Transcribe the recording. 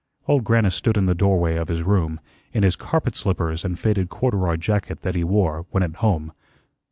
Old Grannis stood in the doorway of his room, in his carpet slippers and faded corduroy jacket that he wore when at home.